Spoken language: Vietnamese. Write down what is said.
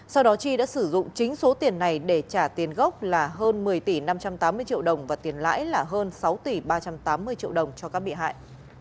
sau đó chi đã sử dụng chính số tiền này để trả tiền gốc là hơn một mươi tỷ năm trăm tám mươi triệu đồng và tiền lãi là hơn sáu tỷ ba trăm tám mươi triệu đồng cho các bị hại